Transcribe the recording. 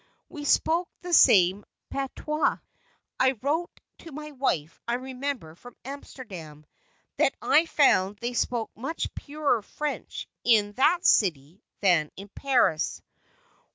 We spoke the same patois. I wrote to my wife, I remember, from Amsterdam, that I found they spoke much purer French in that city than in Paris!